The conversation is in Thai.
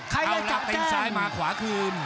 ภูตวรรณสิทธิ์บุญมีน้ำเงิน